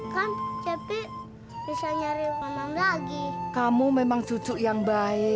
kita tidur di luar aja ya beo